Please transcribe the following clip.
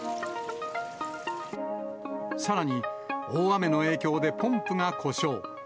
さらに、大雨の影響でポンプが故障。